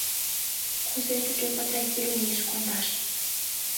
— Кузе туге подразделенийыш кондаш?